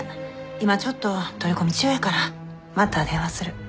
今ちょっと取り込み中やからまた電話する。